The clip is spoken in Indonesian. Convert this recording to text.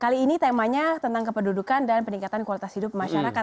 kali ini temanya tentang kependudukan dan peningkatan kualitas hidup masyarakat